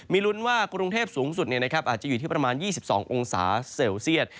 มีลุ้นว่ากรุงเทพสูงสุดอาจจะอยู่ที่ประมาณ๒๒องศาเซลเซียต